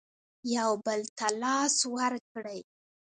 یو بل ته لاس ورکړئ